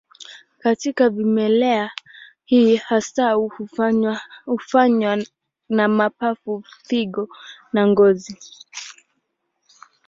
Katika vimelea hii hasa hufanywa na mapafu, figo na ngozi.